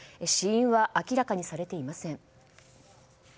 死因は明らかにされていません。